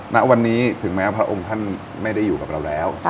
ณวันนี้ถึงแม้พระองค์ท่านไม่ได้อยู่กับเราแล้ว